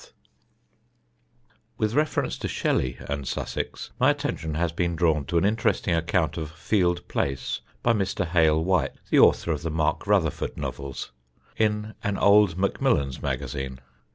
[Sidenote: SHELLEY AND TRELAWNY] With reference to Shelley and Sussex, my attention has been drawn to an interesting account of Field Place by Mr. Hale White, the author of the Mark Rutherford novels, in an old Macmillan's Magazine.